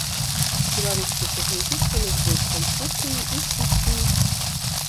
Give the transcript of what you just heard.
Беларускія цягнікі стануць больш камфортнымі і хуткімі.